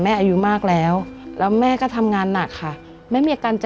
หนูอยากให้แม่สบายขึ้น